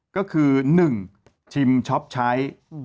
ก็คือ๑ชิมช็อปใช้